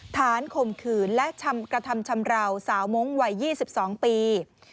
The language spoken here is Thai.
ข่มขืนและกระทำชำราวสาวมงค์วัย๒๒ปี